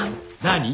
何？